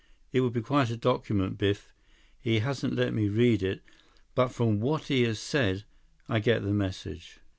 "It would be quite a document, Biff. He hasn't let me read it, but from what he has said, I get the message."